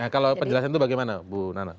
kalau penjelasan itu bagaimana bu nana